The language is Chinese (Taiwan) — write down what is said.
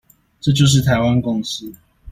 這就是台灣共識